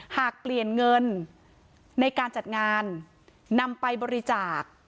หากเปลี่ยนเงินในการจัดงานนำไปบริจาค